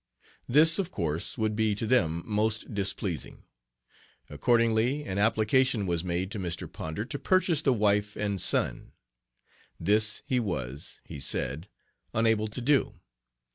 This, of course, would be to them most displeasing. Accordingly an application was made to Mr. Ponder to purchase the wife and son. This he was, he said, unable to do.